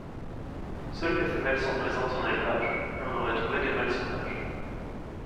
Seules les femelles sont présentes en élevage, mais on aurait trouvé des mâles sauvages.